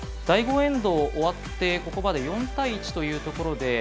第５エンド終わってここまで４対１というところで。